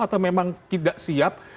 atau memang tidak siap